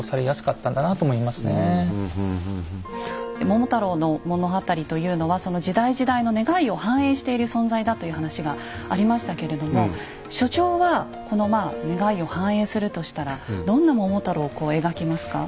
「桃太郎」の物語というのはその時代時代の願いを反映している存在だという話がありましたけれども所長はこの願いを反映するとしたらどんな桃太郎を描きますか？